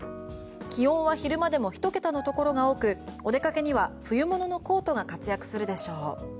気温は昼間でも１桁のところが多くお出かけには冬物のコートが活躍するでしょう。